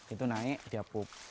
itu naik dia pup